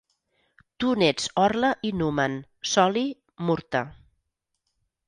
Tu n'ets orla i numen, soli, murta.